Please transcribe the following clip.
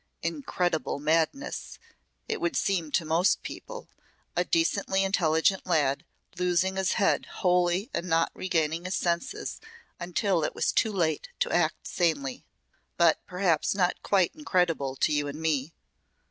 Incredible madness it would seem to most people a decently intelligent lad losing his head wholly and not regaining his senses until it was too late to act sanely. But perhaps not quite incredible to you and me.